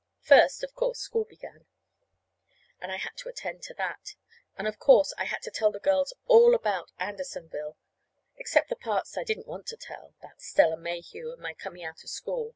First, of course, school began, and I had to attend to that. And, of course, I had to tell the girls all about Andersonville except the parts I didn't want to tell, about Stella Mayhew, and my coming out of school.